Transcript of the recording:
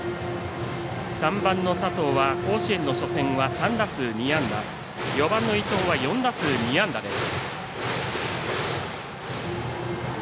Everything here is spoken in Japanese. ３番の佐藤は甲子園の初戦は３打数２安打４番の伊藤は４打数２安打です。